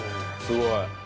すごい。